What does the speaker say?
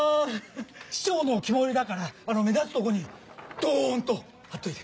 市長の肝いりだから目立つとこにドンと張っといて。